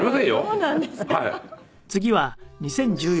そうなんですか？